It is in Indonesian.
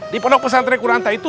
di pondok pesantren kuranta itu